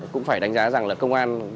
cũng phải đánh giá rằng là công an